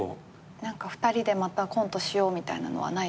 ２人でまたコントしようみたいなのはないですか？